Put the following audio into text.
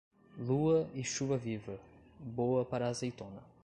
Lua e chuva viva, boa para a azeitona.